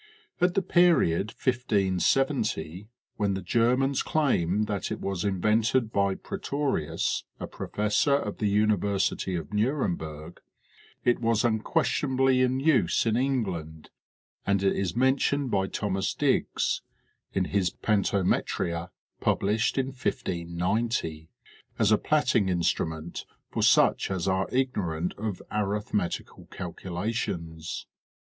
At the period 1570, when the Germans claim that it was invented by Pretorius, a professor of the University of Nurem burg, it was unquestionably in use in England, and it is men tioned by Thomas Digges, in his Pantometria, published in 1590, as a platting instrument for such as are ignorant of arithmet ical calculations.